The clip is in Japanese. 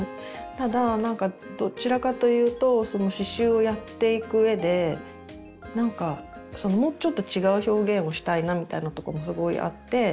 ただなんかどちらかというと刺しゅうをやっていく上でなんかもうちょっと違う表現をしたいなみたいなとこもすごいあって。